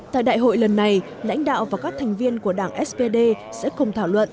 tại đại hội lần này lãnh đạo và các thành viên của đảng spd sẽ cùng thảo luận